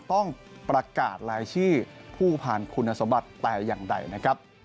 ต้องประกาศรายชื่อผู้ผ่านคุณสมบัติแต่อย่างใดนะครับ